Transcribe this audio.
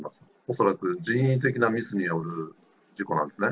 恐らく人為的なミスによる事故なんですね。